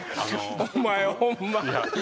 お前ホンマ